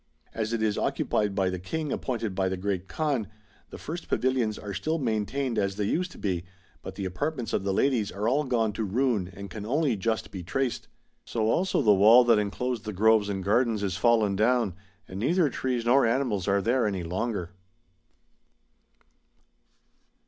As it is occupied by the King appointed by the Great Kaan, the first pavilions are still maintained as they used to be, but the apartments of the ladies are all gone to ruin and can only just be traced. So also the wall that enclosed the groves and gardens is fallen down, and neither trees nor animals are there any longer."